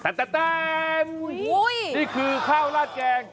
นี่คือข้าวลาดแกง